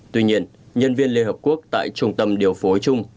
tuy nhiên nhân viên liên hợp quốc tại trung tâm điều phối chung